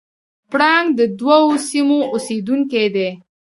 پړانګ د تودو سیمو اوسېدونکی دی.